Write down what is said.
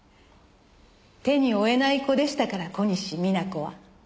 手に負えない子でしたから小西皆子は。